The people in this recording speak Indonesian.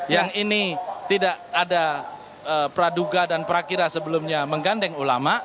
yang ini tidak ada praduga dan prakira sebelumnya menggandeng ulama